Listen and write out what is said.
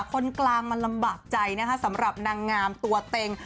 คนกลางมันลำบากใจนะคะสำหรับนางงามตัวเต็ง